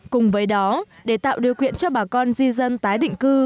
cùng với đó để tạo điều kiện cho bà con di dân tái định cư